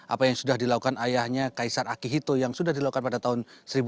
apa yang sudah dilakukan ayahnya kaisar akihito yang sudah dilakukan pada tahun seribu sembilan ratus delapan puluh